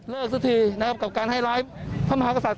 เลิกสุดทีนะครับกับการให้ร้ายพมหากศัตริย์